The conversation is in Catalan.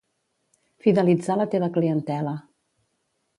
Fidelitzar la teva clientela